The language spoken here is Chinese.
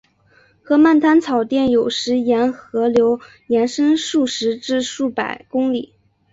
河漫滩草甸有时沿河流延伸数十至数百公里。